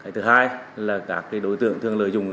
thứ hai là các đối tượng thường lợi dụng